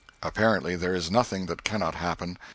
Apparently there is nothing that cannot happen.